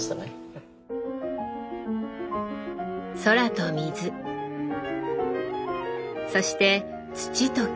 空と水そして土と木。